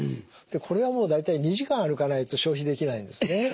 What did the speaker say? これはもう大体２時間歩かないと消費できないんですね。